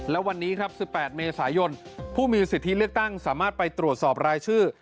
และวันนี้ครับ๑๘เมษายนผู้มีสิทธิเลือกตั้งสามารถไปตรวจสอบรายชื่อ